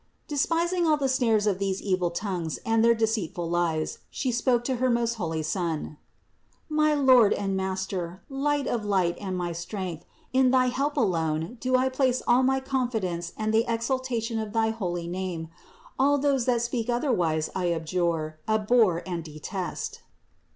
De spising all the snares of these evil tongues and their deceitful lies, She spoke to her most holy Son : "My Lord and Master, Light of light and my Strength, in thy help alone do I place all my confidence and the exaltation of thy holy name. All those that speak otherwise I abjure, abhor and detest."